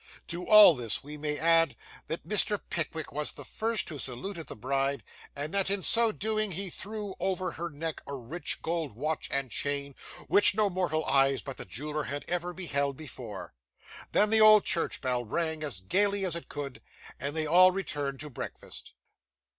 To all this, we may add, that Mr. Pickwick was the first who saluted the bride, and that in so doing he threw over her neck a rich gold watch and chain, which no mortal eyes but the jeweller's had ever beheld before. Then, the old church bell rang as gaily as it could, and they all returned to breakfast.